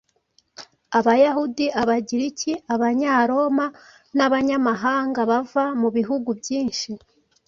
Abayahudi, Abagiriki, Abanyaroma n’abanyamahanga bava mu bihugu byinshi